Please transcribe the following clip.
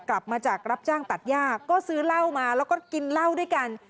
กลับมาจากรับจ้างตัดย่าก็ซื้อเหล้ามาแล้วก็กินเหล้าด้วยกัน